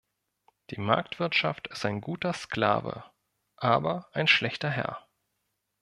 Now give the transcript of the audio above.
Die Marktwirtschaft ist ein guter Sklave aber ein schlechter Herr.